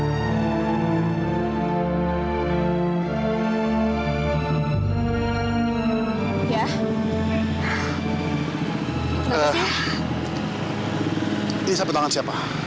ini sapu tangan siapa